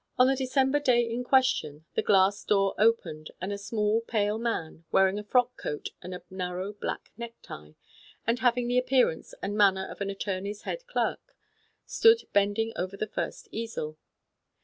On the December day in question, the glass door opened, and a small, pale man, wearing a frock coat and a narrow black necktie, and having the appearance and manner of an attorney's head clerk, stood bending over the first easel.